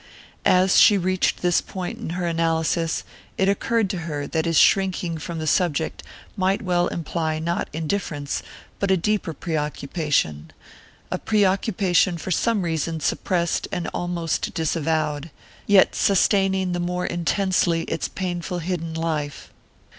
As she reached this point in her analysis, it occurred to her that his shrinking from the subject might well imply not indifference, but a deeper preoccupation: a preoccupation for some reason suppressed and almost disavowed, yet sustaining the more intensely its painful hidden life.